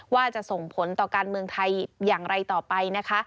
ว่าจะส่งผลต่อการเมืองไทยอย่างไรต่อไปนะคะ